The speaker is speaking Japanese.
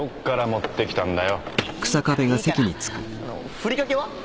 ふりかけは？